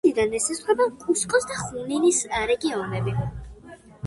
სამხრეთიდან ესაზღვრება კუსკოს და ხუნინის რეგიონები.